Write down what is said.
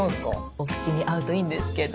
お口に合うといいんですけど。